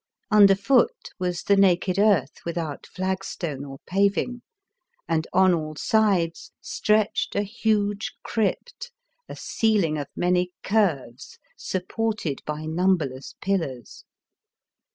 Underfoot was the naked earth without flagstone or paving, and, on all sides, stretched a huge crypt, a ceiling of many curves supported by numberless pillars.